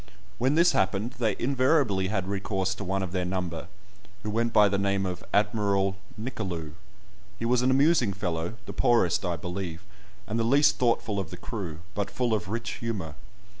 When this happened, they invariably had recourse to one of their number, who went by the name of "Admiral Nicolou." He was an amusing fellow, the poorest, I believe, and the least thoughtful of the crew, but full of rich humour.